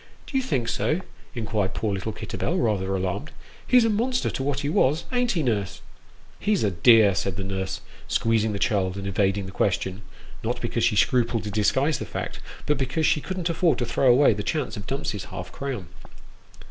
" Do you think so ?" inquired poor little Kitterbell, rather alarmed. " He's a monster to what he was ain't he, nurse ?"" He's a dear," said the nurse, squeezing the child, and evading the question not because she scrupled to disguise the fact, but because she couldn't afford to throw away the chance of Dumps's half crown.